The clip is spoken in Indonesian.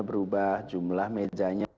berubah jumlah mejanya